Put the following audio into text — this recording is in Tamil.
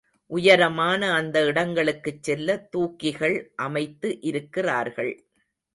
உயரமான அந்த இடங்களுக்குச் செல்ல தூக்கிகள் அமைத்து இருக்கிறார்கள்.